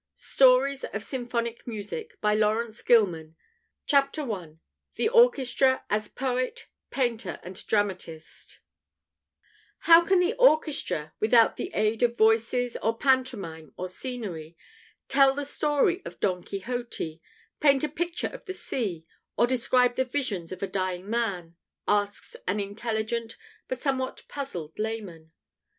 STORIES OF SYMPHONIC MUSIC STORIES OF SYMPHONIC MUSIC THE ORCHESTRA AS POET, PAINTER, AND DRAMATIST "How can an orchestra, without the aid of voices or pantomime or scenery, tell the story of Don Quixote, paint a picture of the sea, or describe the visions of a dying man?" asks an intelligent but somewhat puzzled layman.